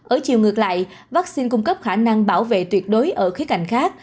ở chiều ngược lại vaccine cung cấp khả năng bảo vệ tuyệt đối ở khía cạnh khác